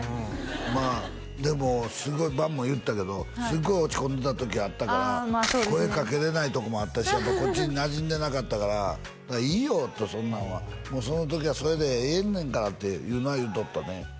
まあでもすごい伴も言ってたけどすごい落ち込んでた時あったから声かけれないとこもあったしこっちになじんでなかったからいいよとそんなんはその時はそれでええねんからっていうのは言うとったね